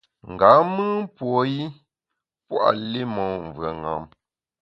Nga mùn puo i pua’ li mon mvùeṅam.